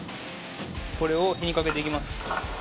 これを火にかけていきます